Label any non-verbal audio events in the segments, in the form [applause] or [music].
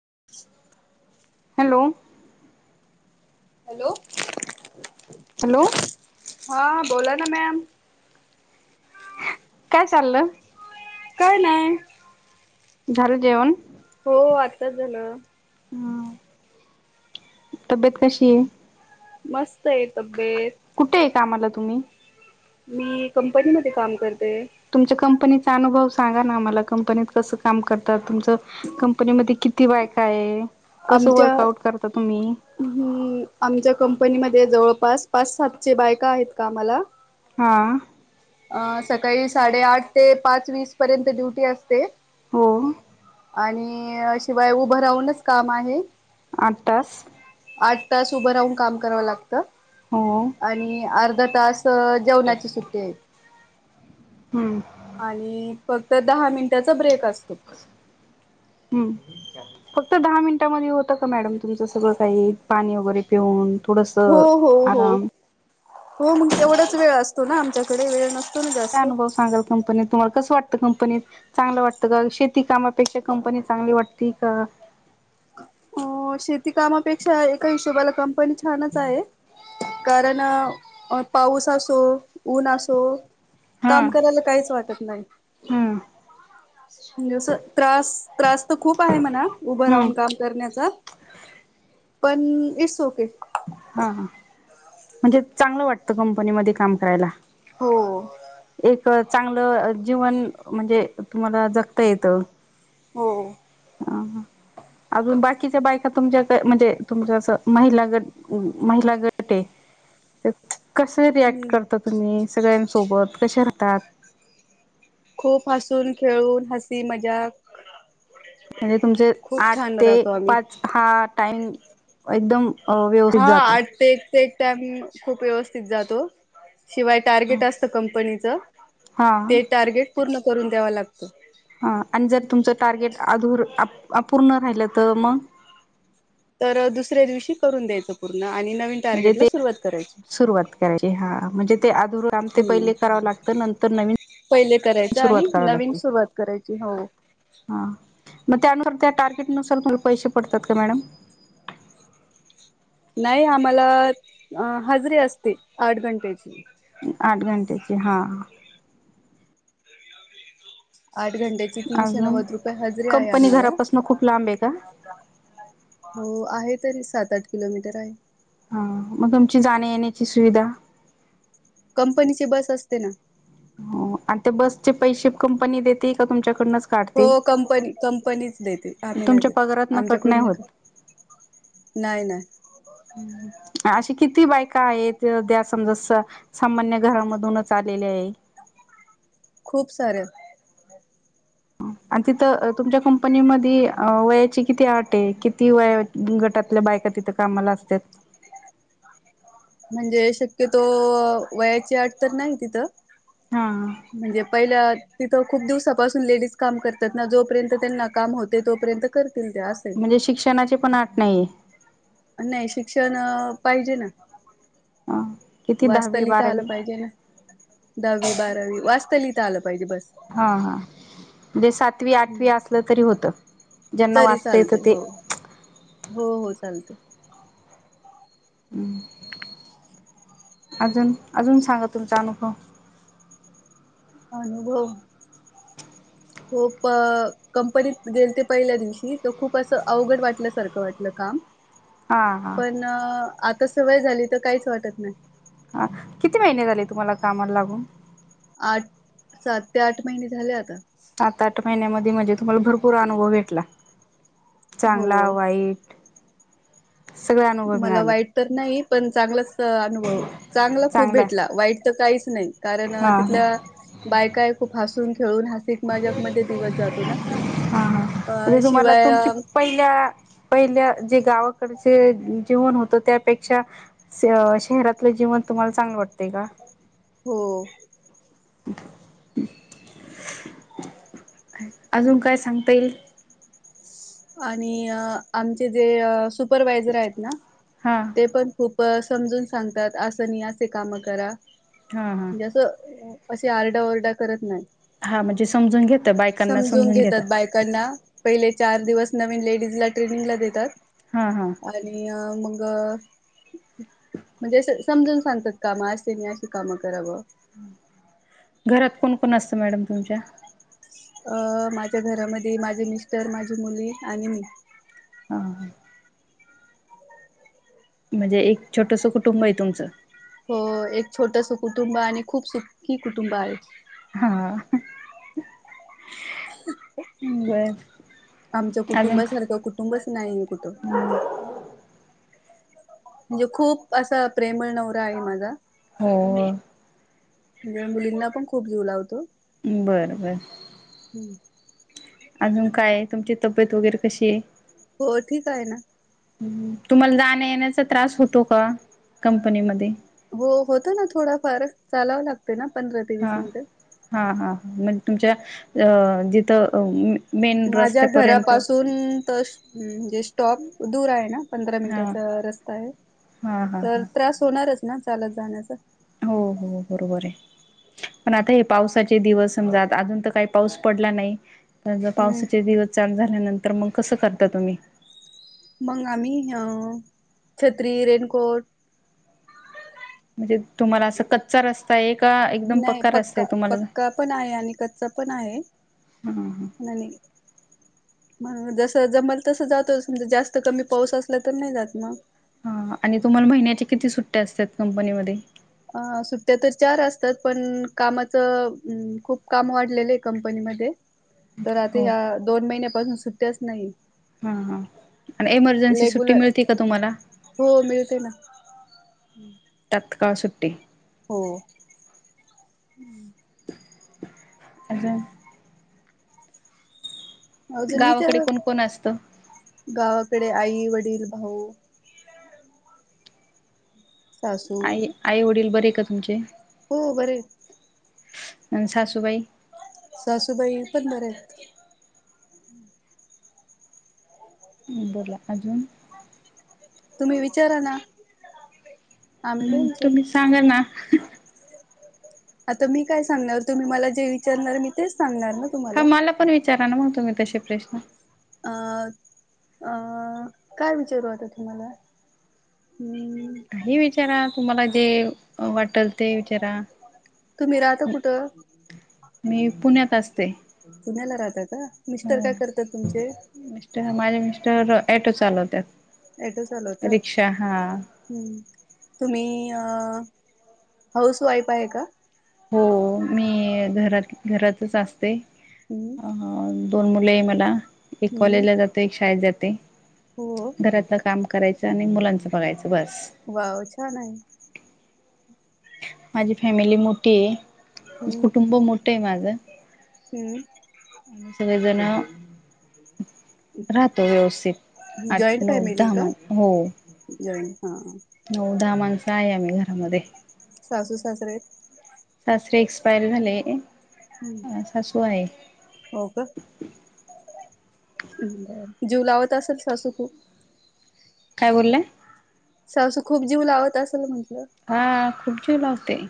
[inaudible] Hello. Hello. Hello. हा बोला ना मॅम. काय चाललं. काय नाही. झालं जेवन? हो आत्ताच झालं. ह तब्येत कशी आहे. मस्त आहे तब्येत कामला तुम्ही मी कंपनीमध्ये काम करते. तुमच्या कंपनीचा अनुभव सांगा ना मला कंपनीत कसं काम करत तम तर कंपनीमध्येध्ये किती बायक आहे. कसं आच्या वर्कआउट करता तुम्ही आमच्या कंपनीमध्ये जवळ पास पाच सात बायका आहेत का मला हा. अ सकाळी साडे आठ ते पाच वीस पर्यंत ड्युटी असते. हो. आणि शिवाय उभं राहूनच काम आहे. आठ तास. आठ तास उभं राहून काम करावं लागत हो आणि अर्धा तास जेवणाची सुट्टी आहेत. हम्म. आणि फक्त दहा मिनिटाचा ब्रेक अस. हम्म. फक्त दहा मिनटामध्ये होतं का मॅडम तुमचं सगळं काही पाणी वगैरे पिऊन हो थोडंसं हो हो आराम हो मग तेवढाच वेळ असतो ना आमच्याकडे वेळ नस का [unintelligible] अनुभव सांगाल कंपनीत तुम्हाला कसं वाटतं कंपनीत चांगलं वाटतं का शेती कामात पेक्षा कंपनी चांगली वाटती का? ओ शेती कामापेक्षा एका हिशोबाला कंपनी छानच आहे. कारण पाऊस असो, ऊन असो हा काम करायला काहीच वाटत नाही हम्म [inaudible] म्हणजे अस त्रास त्रास तर खूप आहे म्हणा उभं हम्म राहून काम करण्याचा [inaudible] पण इट्सओके. हा हा म्हणजे चांगलं वाटत कंपनीमध्ये काम करायला हो [inaudible] एक परत चांगलं जीवन म्हणजे तुम्हाला जगता येत. हो. ह ह अजून बाकीच्या बाय आता तुमच्या इथे म्हणजे तुमच अस महिला गट महिला गट आहे ते कसं रिॲक्ट हम्म करता तुम्ही सगळ्यांसोबत? कसे राहतात? खूप हसून, खेळून हसी मजाक म्हणजे तुमचे खूप आठ छान ते राहतो आम्ही पाच हा टाइम एकदम हा व्यवस्थित जातो आठ ते ते एक टाइम खूप व्यवस्थित जातो. शिवाय हा टार्गेट असतं कंपनीचं ते टार्गेट पूर्ण करून द्यावा लागतो. हा आणि जर तुमचं टार्गेट अधूर अपूर्ण. राहिलं तर मग? तर दुसऱ्या दिवशी करून द्यायचं पूर्ण. आणि नवीन म्हणजे टार्गेटला ते सुरुवात करायची. सुरुवात करायची हा. म्हणजे ते आधुगर ते हम्म पहिले करावं लागत नंतर नवीन. पहिले करायच. आणि सुरुवात करावी नवीन लागते सुरुवात करायची हो. हा. मग त्यानुसार त्या टार्गेटनुसार आपल्याला पैसे पडतात का मॅडम? नाही आम्हाला अ हजरी असते आठ घंटेची आठ घंट्याचे हा. आठ घंट्याची तीनशे अजून नव्वद रुपये हजरीे आहे कंपनी आम्हाला. घरापासून खूप लांब आहे का हो आहे तरी सात-आठ किलोमीटर आहे. हा मग तुमची जाण्या येण्याची सुविधा? कंपनीची बस असते ना. हो आणि त्या बसचे पैसे कंपनी देेते का तुमच्याकडनच? हो कंपनी कंपनीच देते. आम्ही नाही तुमच्या देत. पगारात न कट आमच्याकडून होत नाही. नाही-नाही. हम्म [unintelligible] अशी किती बायका आहेत. त्या. समजा सामान्य घरामधूनच आलेल्या आहेत. खूप साऱ्या. हो [unintelligible] आणि तिथं. तुमच्या कंपनी मधी वयाची किती आट आहे. किती वया गटातल्या बायका तिथं कामाला असत्यात? म्हणजे शक्यतो, वयाची आठ तर नाही तिथं. हा. हा. म्हणजे पहिल्या तिथं खूप दिवसापासून लेडीज काम करत्यात ना. जोपर्यंत त्यांना काम होते तोपर्यंत करतात. म्हणजे शिक्षणाची पण अट नाहीये.? नाही शिक्षण पाहिजे ना. ह किती वाचता दहावी लिहिता आलं बारावी पाहिजे ना दहा. वी-बारावी वाचता- लिहिता आलं पाहिजे बस. हा हा म्हणजे सात तवी आठवी हम्म. असलं तरी होत, ज्यांना तरी वाचता येत चालते ते चालतं. हुं अजून-अजून सांगा तुमचा अनुभव? अनुभव. [inaudible] खूप कंपनीत गेलते पहिल्या दिवशी. तर खूप असं अवघड वाटल्या सारखं वाटलं काम. हा हा पण आता सवय झाली, तर काहीच वाटत नाही. हा किती महिने झाले तुम्हाला कामाला लागून? आठ सात ते आठ महिने झाले आता. सात -आठ महिन्यामध्ये म्हणजे तुम्हांला भरपूर अनुभव भेटला? हो चांगला वाईट. सगळे अनुभव मला मिळाले वाईट तर नाही. पण चांगलाच अनुभव, चांगला खूप भेटला, वाईट तर काहीच नाही. कारण हा हा तिथल्या बायकाही खूप हसून खेळून हासिक मजाक मध्ये दिवस जातो ना. हा अ म्हणजे तुम्हाला शिवाय तुमची पहिल्या-पहिल्या जे गाव कडचे जे जीवन होतं. त्यापेक्षा शहरातलं जीवन तुम्हाला चांगलं वाटतय का? हो. ह ह [unintelligible] अजून काय सांगता येईल? आणि आमचे जे सुपरवायझर आहेत ना, हा ते पण खूप प समजून सांगतात. असं नाही असे काम करा. हा हा म्हणजे असं असे आरडा-ओरडा करत नाहीत. हा म्हणजे समजून घेता बायकांना समजून घेता घेतात. बायकांना पहिले चार दिवस नवीन लेडीजला ट्रेनिंगला देतात. हा हा आणि मग. म्हणजे अस समजून सांगतात. काम असे नही अशी कामं करा म्हणून. घरात कोण-कोण असत मॅडम तुमच्या? अ माझ्या घरामध्ये माझी मिस्टर, माझी मुलगी. आणि मी. अ. ह [unintelligible] म्हणजे एक छोटंसं कुटुंब आहे तुमचं? हो एक छोटस कुटुंब आणि खूप सुखी कुटुंब आहे. हा. हा. ह बर. आमचं अजून कुटुंबासारखं कुटुंबच नाही आहे कुठं. म्हणजे खूप असा प्रेमळ नवरा आहे माझा. हो.. मुलींना पण खूप जीव लावतो. बर. बर. हू [unintelligible] अजून काय तुमची तब्येत वगैरे कशी आहे? हो ठीक आहे ना. तुम्हांला जाण्या येण्याचा त्रास होतो का कंपनीमध्ये? हो होतं ना थोडाफार. चालावं लागत ना पंधरा ते वीस मिनिटं. म्हणज तुमच्या अ जिथं मेन माझ्या रस्त्यापर्यंत घरापासून त म्हणजे स्टॉप दूर आहे ना. पंधरा हां मिनटाचा. रस्ता आहे. हां हां तर हां त्रास होणारच ना चालत जाण्याचा. हो हो बरोबर आहे पण आता हे पावसाचे दिवस समजा अजून तर काही पाऊस पडला नाही. हम्म पावसाचे दिवस चालू झाल्यानंतर मग कसं करता तुम्ही? मग आम्ही अ छत्री, रेनकोट म्हणजे तुम्हाला असं कच्चा रस्ता एक. नाही पक्का-पक्का पण आहे. आणि कच्चा पण आहे. हां म्हणे. म जस जमल तस जातो म्हणजे जास्त कमी पाऊस असला तर नाही जात मग हा आणि तुम्हाला महिन्यांच्या किती सुट्ट्या असतात कंपनीमध्ये अ सुट्ट्या तर चार असतात पण कामाचं खूप काम वाढलेलं आहे कंपनीमध्ये ह तर आता ह्या दोन महिन्यापासून सुट्ट्याच नाही हां हां आणि एमर्जन्सी सुट्टी रेगुलर मिळते का तुम्हाला हो मिळते ना तत्काळ सुट्टी हो अजून अजून विचार गावाकडे कोण कोण असतं गावाकडे आई वडील भाऊ सासू आई आई वडील बरे का तुमचे हो बरे अ सासुबाई सासूबाई पण बरे आहे बोला अजून तुम्ही विचारा ना आम्ही हम्म बोलतो तुम्ही सांगा ना आता मी काय सांगणार तुम्ही मला जे विचारणार मी तेच सांगणार ना तुम्हाला विचारांना मग तुम्ही तसे प्रश्न अ अ काय विचारू आता तुम्हाला हम्म काही विचारा तुम्हाला जे वाटेल ते विचारा तुम्ही राहता कुठं मी पुण्यात असते पुण्याला राहत का मिस्टर हो काय करतात तुमचे मिस्टर माझे ॲटो चालवत्यात ॲटो चालवता हम् तुम्ही अ हाऊस वाईफ आहे का हो मी घरात घरातच असते हम्म अ दोन मुले मला एक हम्म कॉलेजला जाते एक शाळेत जाते हो घरातलं काम करायचं आणि मुलांच वाव छान आहे माझी फॅमिली मोठी आहे हम्म कुटुंब मोठं आहे माझं हम्म आणि सगळे जण राहतो व्यवस्थित आठ जॉईंट नऊ फॅमिली दहा का? मण हो जॉईंट हा नऊ दहा माणसं काय आम्ही घरामध्ये सासू सासरे आहेत सासरे एक्सपायर झाले हम्म सासू आहे हो का? जीव लावत असेल सासू खूप काय बोलला तं खूप जीव लावत असेल म्ह हा खूप जीव लावते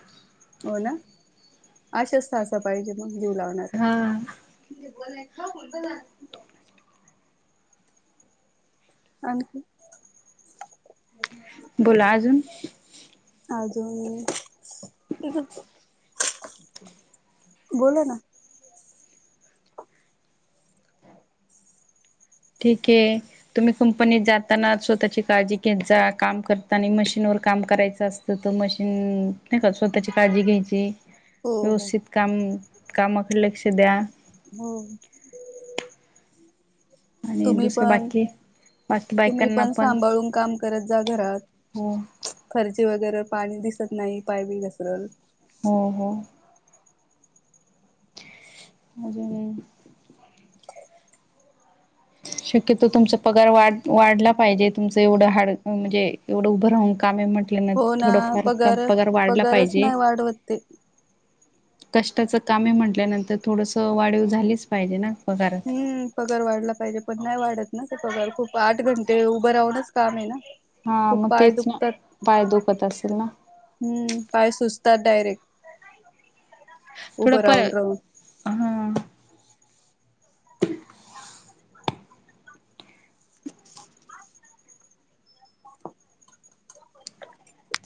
हो ना आशेस सासा पाहिजेत मग जीव लावणार हा उथ बर्ब ना आणखी बोला अजून बोला ना ठीक आहे तुम्ही कंपनीत जाताना स्वतःची काळजी घेत जा काम करताना मशीनवर काम करायचं असतं तर मशीन नाही का स्वतःची काळजी घ्यायची हो हो व्यवस्थित काम कामाकडे लक्ष द्या हो. आणि तुम्ही दुसरे पण बाकी. बाकी तुम्ही बायकांना पण सांभाळून काम करत जा घरात. हो फरशी वगैरे. पाणी दिसत नाही. पाय-बी घसरल. हो. हो. अजे [unintelligible] ह [unintelligible] शक्यतो तुमचा पगार वाढ-वाढला पाहिजे. तुमचं एवढं हाड म्हणजे एवढं उभं राहून कामे म्हण त्येनं हो ना थोडफार पगार वाढला पगारच पाहिजे. नाही वाढवत ते कष्टाच कामे म्हटल्यानंतर थोडस वाढीव झालीच. पाहिजे ना. पगारात हम्म पगार वाढला पाहिजे. पण नाही वाढत ना. खूप आठ घंटे उभं राहूनच काम आहे ना. हा खूप मग पाय तेच ना दुखतात. पाय दुखत असेल ना हम्म पाय सुचतात. तात डायरेक्ट. थोडं उभं पाय राहून राहून हा.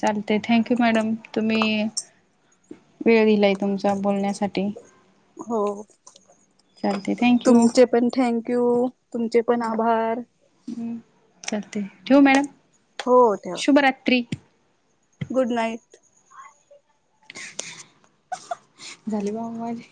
चालते. थँक यू मॅडम तुम्ही वेळ दिलाय तुमचा बोलण्यासाठी. हो. चालते थँक्यू तुमचे पण थँक यू. तुमचे पण आभार. चालते ठेऊ मॅडम हो ठेवा शुभरात्री. Good night. झाल बाबा माझे.